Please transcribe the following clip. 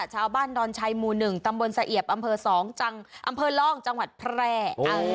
ชาวบ้านดอนชัยหมู่๑ตำบลสะเอียบอำเภอ๒อำเภอล่องจังหวัดแพร่